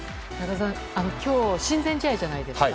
今日、親善試合じゃないですか。